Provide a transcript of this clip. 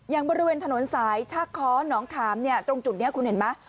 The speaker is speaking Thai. อย่างบริเวณถนนสายถ้าขอน้องถามตรงจุดนี้คุณเห็นไหม